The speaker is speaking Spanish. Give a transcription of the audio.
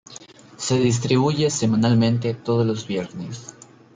Se distribuye semanalmente todos los viernes.